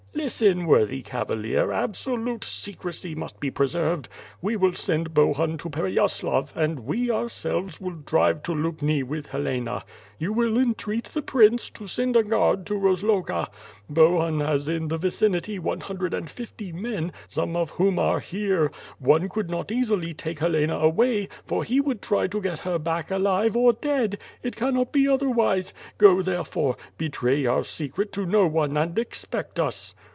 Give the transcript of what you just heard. "Listen, worthy cavalier, absolute secrecy must be pre 68 W/rff FIRE AND SWORD. served. We will send Bohnn to Pereyaslav and we ourselves will drive to Lubni with Helena. You will entreat the prince to send a guard to Rozloga. Bohun has in the vicinity one hundred and fifty men, some of whom are here. One could not easily take Helena away, for he would try to get her back alive or dead. It cannot be otherwise. Go therefore. Betray our secret to no one and expect us.